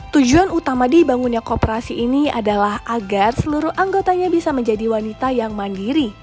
tujuan utama dibangunnya kooperasi ini adalah agar seluruh anggotanya bisa menjadi wanita yang mandiri